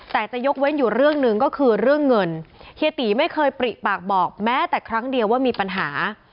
แต่จะยกเว้นอยู่เรื่องหนึ่งก็คือเรื่องเงินเฮียตีไม่เคยปริปากบอกแม้แต่ครั้งเดียวว่ามีปัญหา